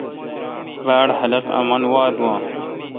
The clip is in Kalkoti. باڑ خلق آمن واتھ باں ۔